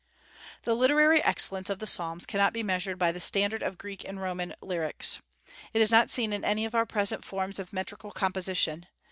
The literary excellence of the Psalms cannot be measured by the standard of Greek and Roman lyrics. It is not seen in any of our present forms of metrical composition.